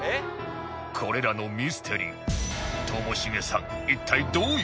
これらのミステリーともしげさん